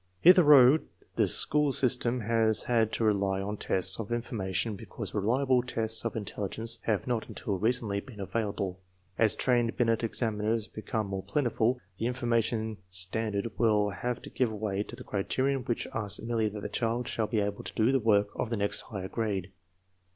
Hitherto the school has had to rely on tests of information because reliable tests of intelligence have not until recently been available. As trained Binct examiners become more plentiful, the infor mation standard will have to give way to the criterion which asks merely that the child shall be able to do the work of the next higher grade.